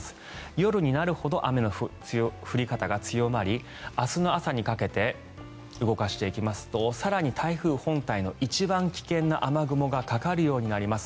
夜になるほど雨の降り方が強まり明日の朝にかけて動かしていきますと更に台風本体の一番危険な雨雲がかかるようになります。